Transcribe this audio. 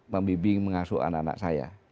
membimbing mengasuh anak anak saya